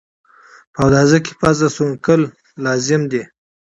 په اوداسه کي پوزه سوڼ کول لازم ده